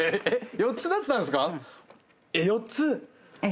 ４つなったんですか？